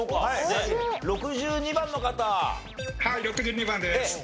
はい６２番です。